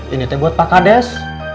ini buat pak kades